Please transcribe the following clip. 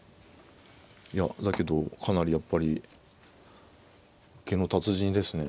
いやだけどかなりやっぱり受けの達人ですね